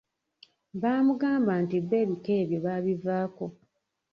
Baamugamba nti bo ebika ebyo baabivaako.